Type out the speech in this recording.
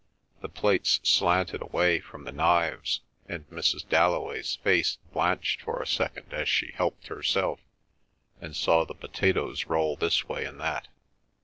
The plates slanted away from the knives, and Mrs. Dalloway's face blanched for a second as she helped herself and saw the potatoes roll this way and that.